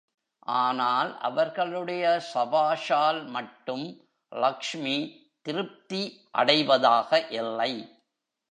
ஆனால் அவர்களுடைய சபாஷால் மட்டும் லக்ஷ்மி திருப்தி அடைவதாக இல்லை.